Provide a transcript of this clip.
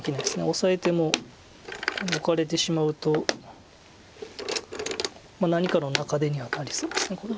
オサえても抜かれてしまうと何かの中出にはなりそうですこれ。